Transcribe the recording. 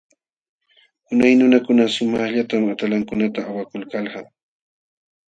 Unay nunakuna sumaqllatam atalankunata awakulkalqa.